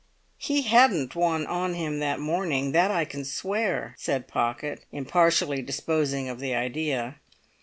"He hadn't one on him that morning; that I can swear," said Pocket, impartially disposing of the idea.